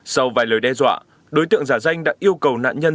sau vài lời đe dọa đối tượng giả danh đã yêu cầu nạn nhân